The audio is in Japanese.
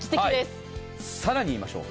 更に言いましょう。